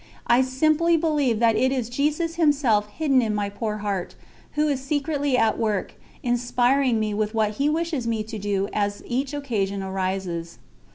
I simply believe that it is Jesus Himself hidden in my poor heart, who is secretly at work, inspiring me with what He wishes me to do as each occasion arises.